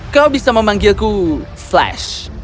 kau bisa memanggilku flash